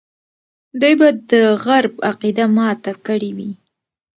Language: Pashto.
دوی به د غرب عقیده ماته کړې وي.